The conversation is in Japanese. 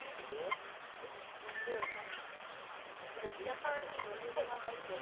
何でやろう？